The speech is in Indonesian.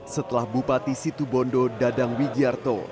setelah bupati situ bondo dadang wigiarto